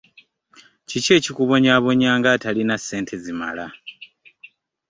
Kiki ekikubonyabonya ng'atalina ssente zimala?